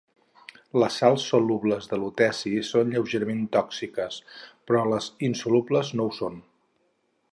Les sals solubles de luteci són lleugerament tòxiques, però les insolubles no ho són.